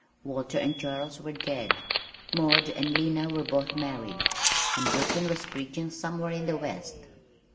Walter and Charles were dead, Maud and Lena were both married, and Burton was preaching somewhere in the West.